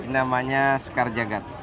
namanya sekar jagad